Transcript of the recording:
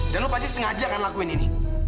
dan lo pasti sengaja akan lakuin ini